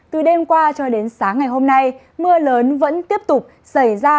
từ đêm qua cho đến sáng ngày hôm nay mưa lớn vẫn tiếp tục xảy ra